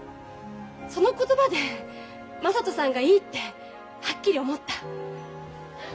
その言葉で雅人さんがいいってはっきり思った。